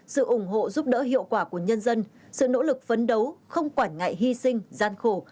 sự ủng hộ giúp đỡ hiệu quả của nhân dân sự nỗ lực phấn đấu không quản ngại hy sinh gian khổ